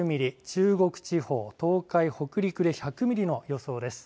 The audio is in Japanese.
中国地方、東海、北陸で１００ミリの予想です。